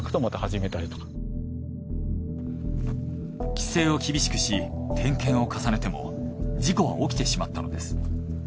規制を厳しくし点検を重ねても事故は起きてしまったのです。